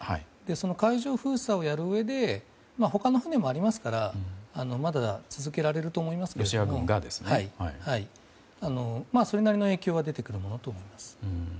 その海上封鎖をやるうえで他の船もありますからまだ続けられると思いますがそれなりの影響は出てくるものと思われます。